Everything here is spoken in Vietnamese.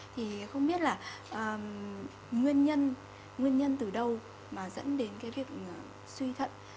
thì không biết là nguyên nhân từ đâu mà dẫn đến cái việc suy thận